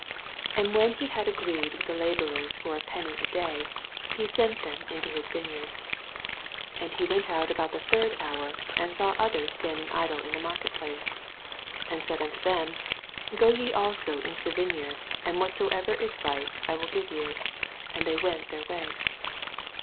2 And when he had agreed with the laborers for a penny a day, he Bent them into his vmoyard. 8 And he went out about the third hour, and saw others standing idle in the market plaoe, 4 And said unto them : Go ye also into the vineyard, and whatsoever is right I will give you. And they went their way.